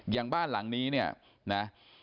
อย่างบ้านหลังนี้เนี่ยนะ